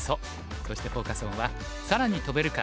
そしてフォーカス・オンは「さらに跳べるか！